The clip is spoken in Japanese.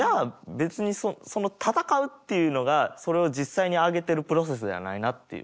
別にその戦うっていうのがそれを実際にあげてるプロセスではないなっていう。